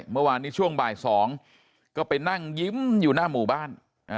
เมื่อวานนี้ช่วงบ่าย๒ก็ไปนั่งยิ้มอยู่หน้าหมู่บ้าน